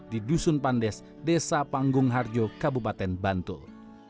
di dusun pandes desa panggung harjo kabupaten bantul